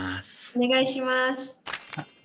お願いします。